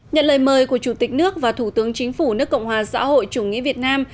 nhận lời mời của chủ tịch nước và thủ tướng chính phủ nước cộng hòa xã hội chủ nghĩa việt nam